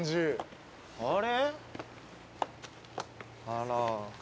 あら。